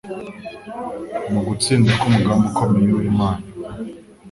mu gutsinda k'umugambi ukomeye w'Imana,